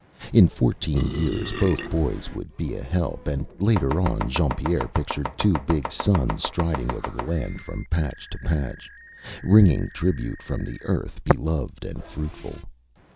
In fourteen years both boys would be a help; and, later on, Jean Pierre pictured two big sons striding over the land from patch to patch, wringing tribute from the earth beloved and fruitful.